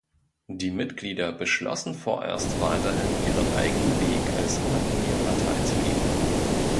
Die Mitglieder beschlossen vorerst weiterhin ihren eigenen Weg als unabhängige Partei zu gehen.